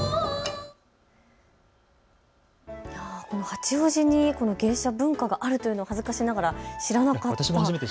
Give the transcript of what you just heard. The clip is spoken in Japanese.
八王子に芸者文化あるというのを恥ずかしながら知らなかったです。